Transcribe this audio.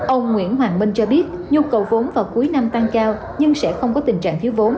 ông nguyễn hoàng minh cho biết nhu cầu vốn vào cuối năm tăng cao nhưng sẽ không có tình trạng thiếu vốn